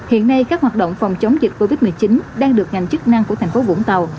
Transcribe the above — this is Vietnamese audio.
hiện nay các hoạt động phòng chống dịch covid một mươi chín đang được ngành chức năng của thành phố vũng tàu